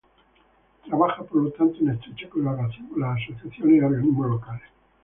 Trabaja por lo tanto en estrecha colaboración con las asociaciones y organismos locales.